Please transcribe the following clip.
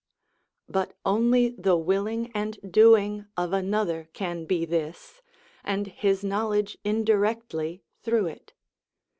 But only the willing and doing of another can be this, and his knowledge indirectly through it.